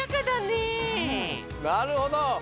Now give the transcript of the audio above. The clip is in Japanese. なるほど。